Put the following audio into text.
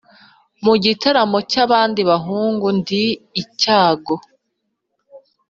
mu gitaramo cy'abandi bahungu, ndi icyago.